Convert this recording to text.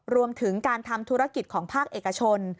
รวมถึงการทำธุรกิจของภาคเอกชน